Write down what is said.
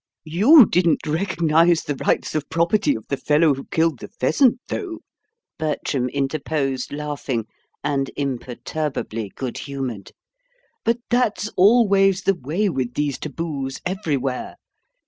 "You didn't recognise the rights of property of the fellow who killed the pheasant, though," Bertram interposed, laughing, and imperturbably good humoured. "But that's always the way with these taboos, everywhere.